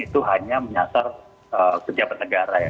itu hanya menyasar pejabat negara ya